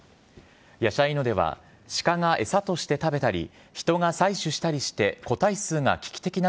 ヤシャイノデは、シカが餌として食べたり、人が採取したりして、個体数が危機的な